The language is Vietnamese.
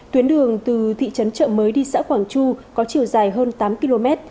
tuyến đường từ thị trấn trợ mới đi xã quảng chu có chiều dài hơn tám km